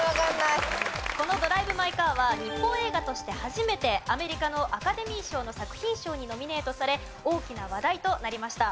この『ドライブ・マイ・カー』は日本映画として初めてアメリカのアカデミー賞の作品賞にノミネートされ大きな話題となりました。